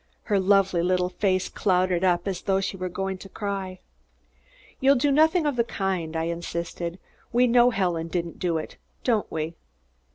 Her lovely little face clouded up as though she were going to cry. "You'll do nothing of the kind!" I insisted. "We know Helen didn't do it. Don't we?"